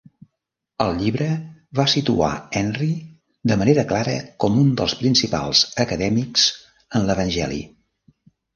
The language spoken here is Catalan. El llibre va situar Henry de manera clara com un dels principals acadèmics en l'Evangeli.